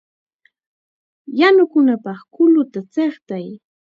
¡Yanukunapaq kulluta chiqtay!